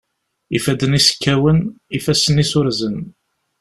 Ifadden-is kkawen, ifassen-is urzen.